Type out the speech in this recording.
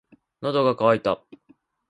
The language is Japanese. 喉が渇いた。